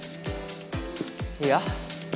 いや。